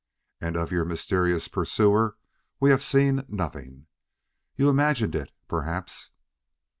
And of your mysterious pursuer we have seen nothing. You imagined it, perhaps."